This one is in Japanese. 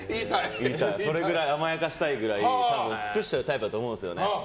それぐらい甘やかしたいぐらい尽くしちゃうタイプだと思うんですよね。